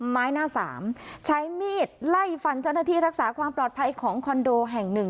ไม้หน้าสามใช้มีดไล่ฟันเจ้าหน้าที่รักษาความปลอดภัยของคอนโดแห่งหนึ่ง